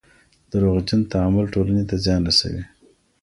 دروغجن تعامل ټولني ته زیان رسوي.